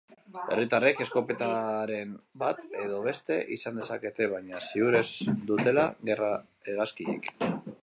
Herritarrek eskopetaren bat edo beste izan dezakete, baina ziur ez dutela gerra-hegazkinik.